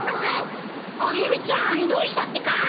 アゲルちゃんどうしたってか？